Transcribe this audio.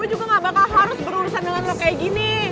aku juga gak bakal harus berurusan dengan lo kayak gini